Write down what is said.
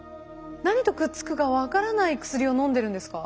何とくっつくか分からない薬をのんでるんですか？